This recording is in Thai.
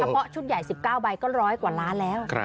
เพราะชุดใหญ่๑๙ใบก็๑๐๐กว่าล้านแล้ว